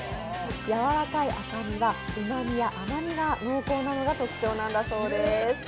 柔らかい赤身はうまみや甘みが濃厚なのが特徴だそうです。